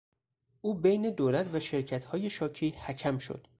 او بین دولت و شرکتهای شاکی حکم شد.